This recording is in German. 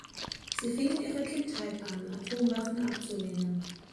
Sie fing in ihrer Kindheit an, Atomwaffen abzulehnen.